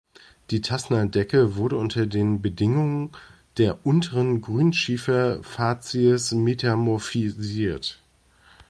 Die Tasna-Decke wurde unter den Bedingungen der unteren Grünschieferfazies metamorphosiert.